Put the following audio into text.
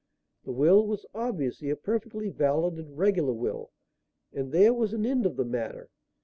The will was obviously a perfectly valid and regular will and there was an end of the matter.